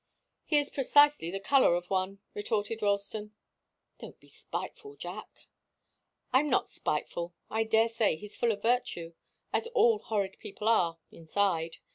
"He is precisely the colour of one," retorted Ralston. "Don't be spiteful, Jack." "I'm not spiteful. I daresay he's full of virtue, as all horrid people are inside.